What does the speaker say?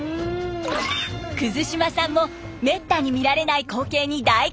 島さんもめったに見られない光景に大興奮。